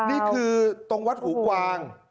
นี่คือตรงวัดหูกวาง